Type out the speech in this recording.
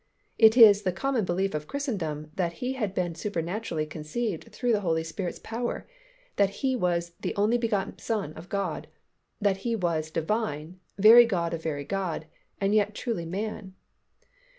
It is the common belief of Christendom that He had been supernaturally conceived through the Holy Spirit's power, that He was the only begotten Son of God, that He was Divine, very God of very God, and yet truly man.